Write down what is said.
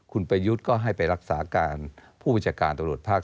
คุณประยุทธ์ก็ให้ไปรักษาการผู้บัญชาการตำรวจภาค